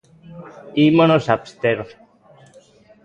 Ímonos abster.